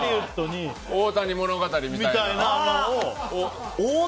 大谷物語みたいな。